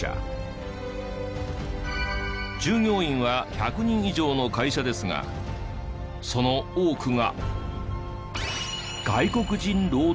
従業員は１００人以上の会社ですがその多くが。